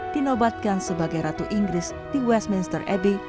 dinobatkan sebagai ratu inggris di westminster abbey